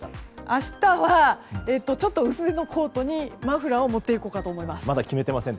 明日はちょっと薄手のコートにマフラーを持っていこうかと思います。